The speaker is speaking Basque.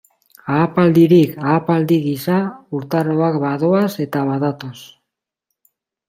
Ahapaldirik ahapaldi giza urtaroak badoaz eta badatoz.